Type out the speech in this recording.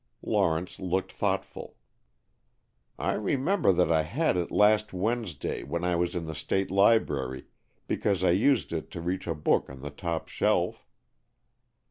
Lawrence looked thoughtful. "I remember that I had it last Wednesday when I was in the State Library, because I used it to reach a book on the top shelf."